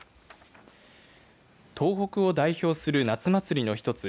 東北を代表する夏祭りの一つ